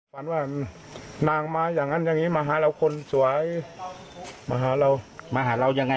ฝันว่านางมาอย่างนั้นอย่างนี้มาหาเราคนสวยมาหาเรามาหาเรายังไง